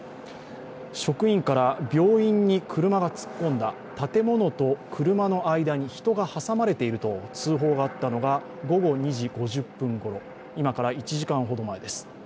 職員から病院に車が突っ込んだ、建物と車の間に人が挟まれていると通報があったのが午後２時５０分ごろ、今から１時間ほど前です